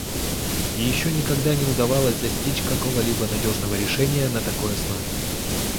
Еще никогда не удавалось достичь какого-либо надежного решения на такой основе.